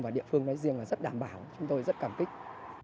và địa phương nói riêng là rất đảm bảo chúng tôi rất cảm kích